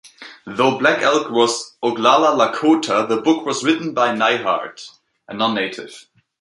Though Black Elk was Oglala Lakota, the book was written by Neihardt, a non-Native.